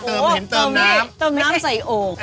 เติมน้ำใส่โอก